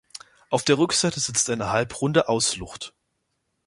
Auf der Rückseite sitzt eine halbrunde Auslucht.